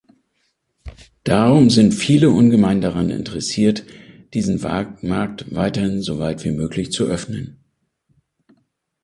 Darum sind viele ungemein daran interessiert, diesen Markt weiterhin soweit wie möglich zu öffnen.